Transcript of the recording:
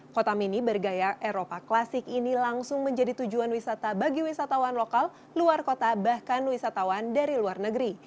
kota mini bergaya eropa klasik ini langsung menjadi tujuan wisata bagi wisatawan lokal luar kota bahkan wisatawan dari luar negeri